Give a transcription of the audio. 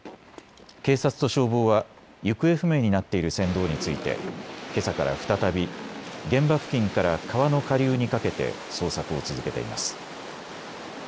警察と消防は行方不明になっている船頭についてけさから再び現場付近から川の下流にかけて捜索を続けています。